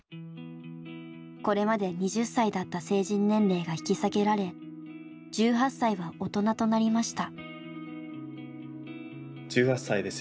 これまで２０歳だった成人年齢が引き下げられ１８歳は大人となりました。